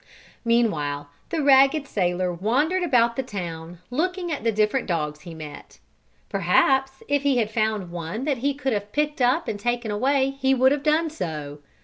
Meanwhile the ragged sailor wandered about the town, looking at the different dogs he met. Perhaps if he had found one that he could have picked up and taken away he would have done so.